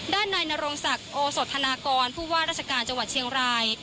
ด้านนายนรงศักดิ์โอสธนากรผู้ว่าราชการจังหวัดเชียงราย